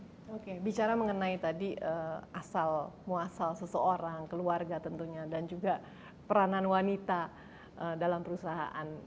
oke bicara mengenai tadi asal muasal seseorang keluarga tentunya dan juga peranan wanita dalam perusahaan